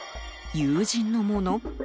友人のもの？